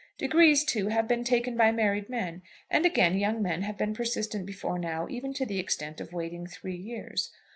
Degrees, too, have been taken by married men. And, again, young men have been persistent before now, even to the extent of waiting three years.